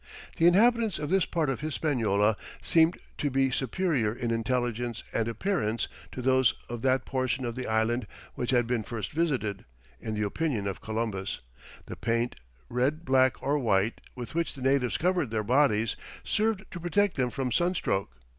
The inhabitants of this part of Hispaniola seemed to be superior in intelligence and appearance to those of that portion of the island which had been first visited; in the opinion of Columbus, the paint, red, black, or white, with which the natives covered their bodies, served to protect them from sunstroke.